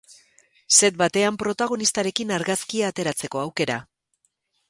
Set batean protagonistarekin argazkia ateratzeko aukera.